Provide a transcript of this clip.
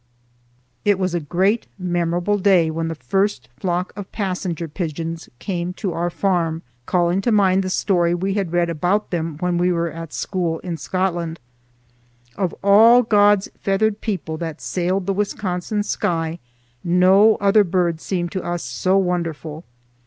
It was a great memorable day when the first flock of passenger pigeons came to our farm, calling to mind the story we had read about them when we were at school in Scotland. Of all God's feathered people that sailed the Wisconsin sky, no other bird seemed to us so wonderful.